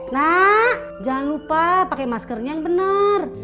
nak jangan lupa pakai maskernya yang benar